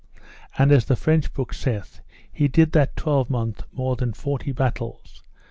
And as the French book saith, he did that twelvemonth more than forty battles.